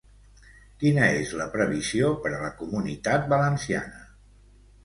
Quina és la previsió per a la Comunitat Valenciana?